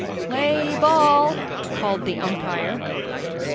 "Play ball!" called the umpire.